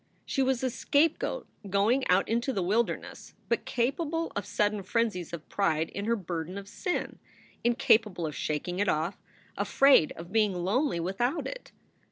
She was a scapegoat going out into the wilderness, but capable of sudden frenzies of pride in her burden of sin, incapable of shaking it off, afraid of being lonely without it.